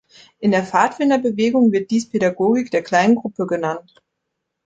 In der Pfadfinderbewegung wird dies Pädagogik der kleinen Gruppe genannt.